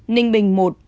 ninh bình một